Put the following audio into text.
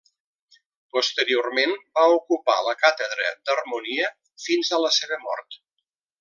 Posteriorment va ocupar la càtedra d'harmonia fins a la seva mort.